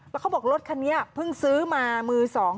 แล้วเขาบอกรถคันนี้เพิ่งซื้อมามือสอง